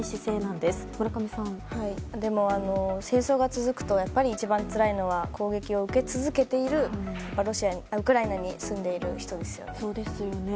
でも、戦争が続くと一番つらいのは攻撃を受け続けているウクライナに住んでいる人ですね。